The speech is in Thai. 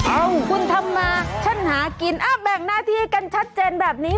เอ้าคุณทำมาฉันหากินแบ่งหน้าที่กันชัดเจนแบบนี้